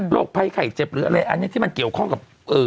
ภัยไข่เจ็บหรืออะไรอันนี้ที่มันเกี่ยวข้องกับ